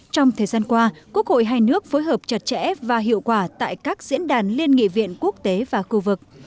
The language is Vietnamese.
trong thời gian qua quốc hội hai nước phối hợp chặt chẽ và hiệu quả tại các diễn đàn liên nghị viện quốc tế và khu vực